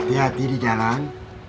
hati hati di jalan